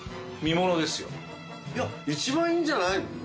一番いいんじゃないの？